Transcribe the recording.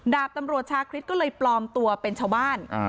ดาบตำรวจชาคริสก็เลยปลอมตัวเป็นชาวบ้าน